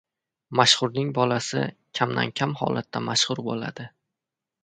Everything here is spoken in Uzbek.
• Mashhurning bolasi kamdan-kam holatda mashhur bo‘ladi.